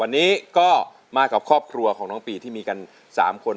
วันนี้ก็มากับครอบครัวของน้องปีที่มีกัน๓คน